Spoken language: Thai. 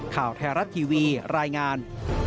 ข่าวไทยรัฐทีวีรายงาน